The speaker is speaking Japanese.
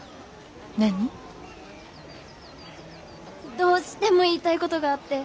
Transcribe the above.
どうしても言いたいことがあって。